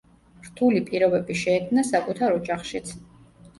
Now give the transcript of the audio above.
რთული პირობები შეექმნა საკუთარ ოჯახშიც.